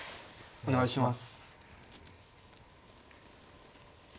お願いします。